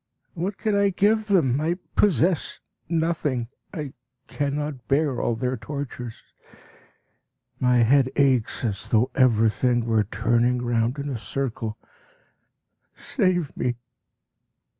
What can I give them? I possess nothing. I cannot bear all their tortures; my head aches as though everything were turning round in a circle. Save me!